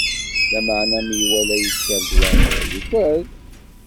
Lameɛna, mi iwala yekker-d waḍu, yugad.